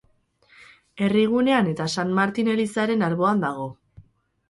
Herrigunean eta San Martin elizaren alboan dago.